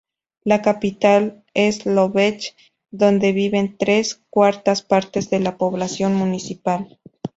La capital es Lovech, donde viven tres cuartas partes de la población municipal.